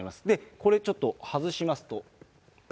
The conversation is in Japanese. これちょっと、外しますと。